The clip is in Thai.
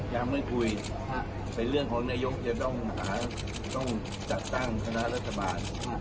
ยังไม่คุยเป็นเรื่องของนายกจะต้องหาต้องจัดตั้งคณะรัฐบาล